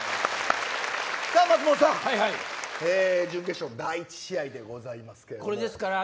松本さん、準決勝第１試合でございます。